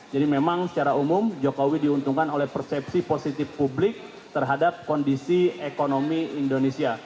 jadi memang secara umum jokowi diuntungkan oleh persepsi positif publik terhadap kondisi ekonomi indonesia